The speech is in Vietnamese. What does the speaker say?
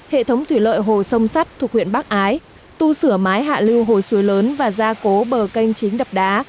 hệ thống thủy lợi hồ sông sắt thuộc huyện bắc ái tu sửa mái hạ lưu hồ suối lớn và gia cố bờ canh chín đập đá